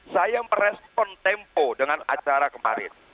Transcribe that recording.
saya merespon tempo dengan acara kemarin